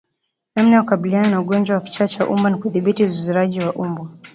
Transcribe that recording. Namna ya kukabiliana na ugonjwa wa kichaa cha mbwa ni kudhibiti uzururaji wa mbwa